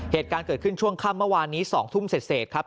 เหตุการณ์เกิดขึ้นช่วงค่ำเมื่อวานนี้๒ทุ่มเสร็จครับ